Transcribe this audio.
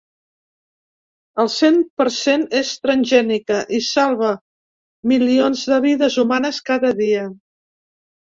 El cent per cent és transgènica i salva milions de vides humanes cada dia.